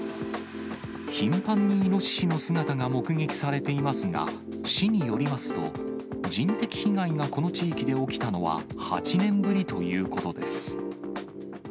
頻繁にイノシシの姿が目撃されていますが、市によりますと、人的被害がこの地域で起きたのは８年ぶりということです。